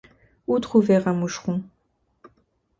Où trouver un moucheron?